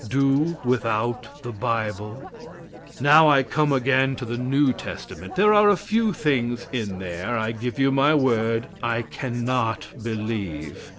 Do without the bible? Now I come again to the new testament. There are a few things in there, I give you my word, I cannot believe.